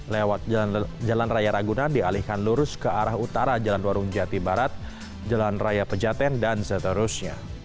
lewat jalan raya ragunan dialihkan lurus ke arah utara jalan warung jati barat jalan raya pejaten dan seterusnya